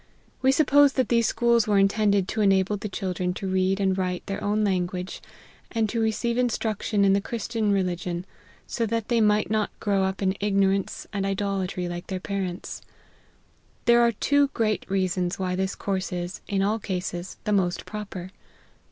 We suppose that these schools were intended to enable the children to read and write their own language, and to receive in struction in the Christian religion, so that they might not grow up in ignorance and idolatry like their parents. There are two great reasons why this course is, in all cases, the most proper.